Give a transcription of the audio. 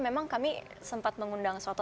memang kami sempat mengundang